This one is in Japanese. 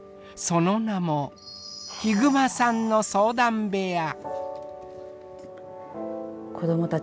その名もひぐまさんの相談部屋。